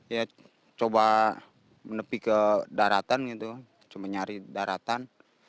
ya coba menepi ke daratan gitu cuma nyari daratan